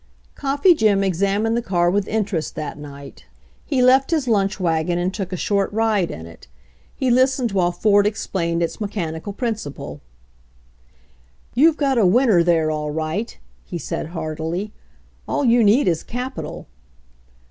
Coffee Jim examined the car with interest that night. He left his lunch wagon and took a short 102 HENRY FORD'S OWN STORY ride in it. He listened while Ford explained its mechanical principle. "You've got a winner there, all right/' he said heartily. "All you need is capital."